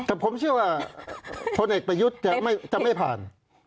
แต่ผมเชื่อว่าพลเอกประยุทธ์จะไม่ผ่าน